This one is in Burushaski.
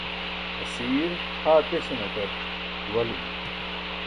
asiir haa teśanaṭar duwalimi